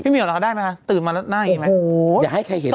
พี่เหมียวแล้วค่ะได้ไหมคะตื่นมาแล้วหน้าอีกไหม